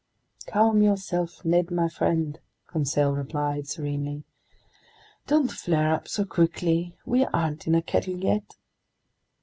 "Calm yourself, Ned my friend," Conseil replied serenely. "Don't flare up so quickly! We aren't in a kettle yet!"